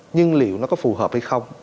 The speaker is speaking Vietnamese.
nhưng liệu nó có phù hợp hay không